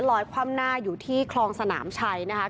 รอยพร่ำหน้าอยู่ที่คลองสนามชัย